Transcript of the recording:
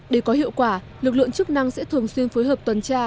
để có hiệu quả lực lượng chức năng sẽ thường xuyên phối hợp tuần tra